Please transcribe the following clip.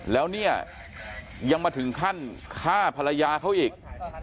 แล้วเนี่ยยังมาถึงขั้นฆ่าภรรยาเขาอีก